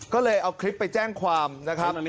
ก็เลยเอาคลิปไปแจ้งความนะครับ